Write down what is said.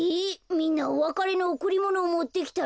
みんなおわかれのおくりものをもってきたの？